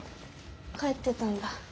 帰ってたんだ。